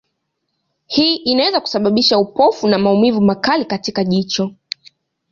Hii inaweza kusababisha upofu na maumivu makali katika jicho.